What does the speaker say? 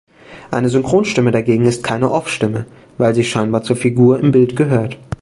Eine Synchronstimme dagegen ist keine Off-Stimme, weil sie scheinbar zur Figur im Bild gehört.